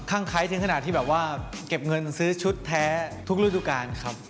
ั่งไคร้ถึงขนาดที่แบบว่าเก็บเงินซื้อชุดแท้ทุกฤดูการครับ